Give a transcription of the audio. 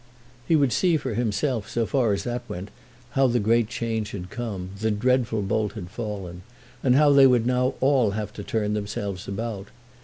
He would see for himself, so far as that went, how the great change had come, the dreadful bolt had fallen, and how they would now all have to turn themselves about.